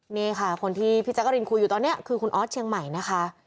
นี่ค่ะคนที่พี่แจ๊กรินคุยอยู่ตอนนี้คือคุณออสเชียงใหม่นะคะ